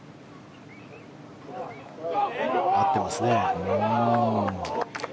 合ってますね。